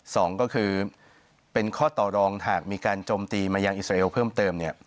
สองก็คือเป็นข้อต่อรองหากมีการโจมตีมายังอิสราเอลเพิ่มเติมเนี่ย